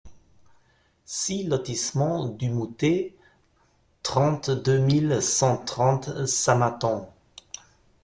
six lotissement du Moutet, trente-deux mille cent trente Samatan